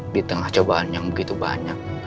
di tengah cobaan yang begitu banyak